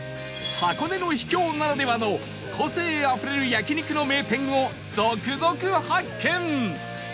箱根の秘境ならではの個性あふれる焼肉の名店を続々発見！